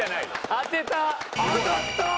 当てた！